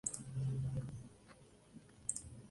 Fue el fin de la guerra dano-sueca.